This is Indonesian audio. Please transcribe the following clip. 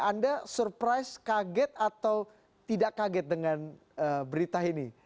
anda surprise kaget atau tidak kaget dengan berita ini